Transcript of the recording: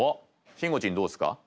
しんごちんどうですか？